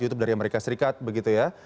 youtube dari amerika serikat begitu ya